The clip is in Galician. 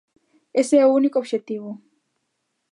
Ese é o único obxectivo.